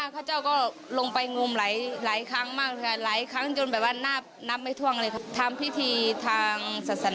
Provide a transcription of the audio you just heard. ขอคำมาได้ยังไม่ถึง